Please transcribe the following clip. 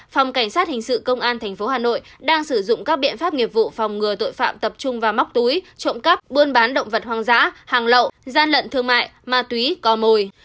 phòng cảnh sát hình sự công an tp hà nội đang sử dụng các biện pháp nghiệp vụ phòng ngừa tội phạm tập trung vào móc túi trộm cắp buôn bán động vật hoang dã hàng lậu gian lận thương mại ma túy cò mồi